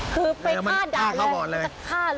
คือไปฆ่าด่ามันจะฆ่าเลยอย่างเงี้ย